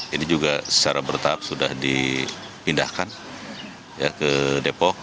ini juga secara bertahap sudah dipindahkan ke depok